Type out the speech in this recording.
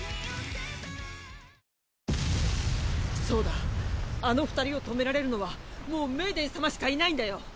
そうだあの２人を止められるのはもうメイデン様しかいないんだよ。